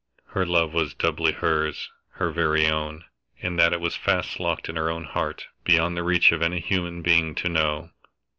Her love was doubly hers her very own in that it was fast locked in her own heart, beyond the reach of any human being to know.